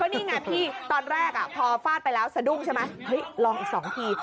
นี่ไงพี่ตอนแรกพอฟาดไปแล้วสะดุ้งใช่ไหมเฮ้ยลองอีก๒ที